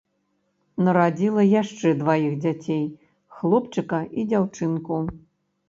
Нарадзіла яшчэ дваіх дзяцей, хлопчыка і дзяўчынку.